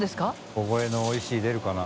小声の「おいしい」出るかな？